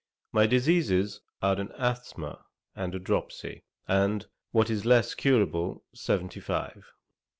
My diseases are an asthma and a dropsy, and, what is less curable, seventy five.